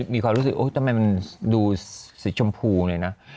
มีความรู้สึกทำไมมันดูสีชมพูเลยนะ